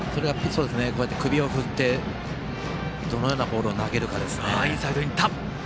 首を振ってどのようなボールを投げるか。